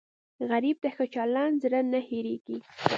غریب ته ښه چلند زر نه هېریږي